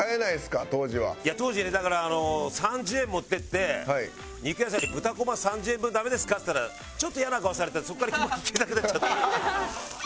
いや当時ねだからあの３０円持って行って肉屋さんに「豚こま３０円分ダメですか？」って言ったらちょっと嫌な顔されてそこから行けなくなっちゃった。